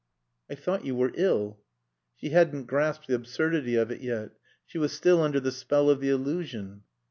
"I thought you were ill." She hadn't grasped the absurdity of it yet. She was still under the spell of the illusion.